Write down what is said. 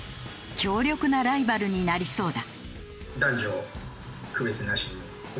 強力なライバルになりそうだ。